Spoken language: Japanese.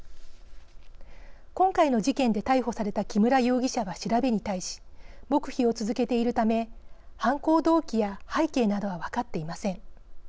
今回の事件で逮捕された木村容疑者は調べに対し黙秘を続けているため犯行動機や背景などは分かっていません。